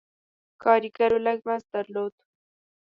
کارګرو لږ مزد درلود.